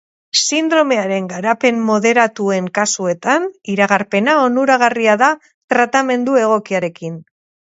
Sindromearen garapen moderatuen kasuetan, iragarpena onuragarria da tratamendu egokiarekin.